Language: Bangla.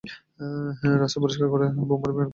রাস্তা পরিষ্কার করতে বোমারু বিমানকে ডাক পাঠাও!